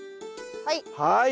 はい。